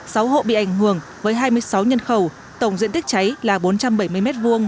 sáu hộ bị ảnh hưởng với hai mươi sáu nhân khẩu tổng diện tích cháy là bốn trăm bảy mươi m hai